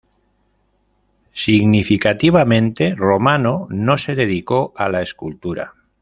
Significativamente, Romano no se dedicó a la escultura.